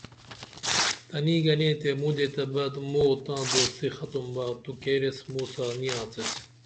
تنی گنے تے مودے تہ بعد مو او تاں دوستی ختم با تو کیر ایس موسہ نی آڅیس